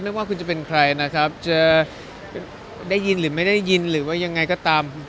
ว่าคุณจะเป็นใครนะครับจะได้ยินหรือไม่ได้ยินหรือว่ายังไงก็ตาม